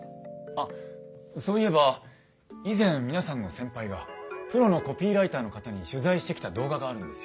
あっそういえば以前皆さんの先輩がプロのコピーライターの方に取材してきた動画があるんですよ。